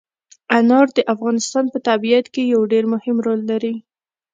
انار د افغانستان په طبیعت کې یو ډېر مهم رول لري.